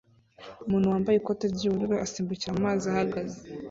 Umuntu wambaye ikote ry'ubururu asimbukira mumazi ahagaze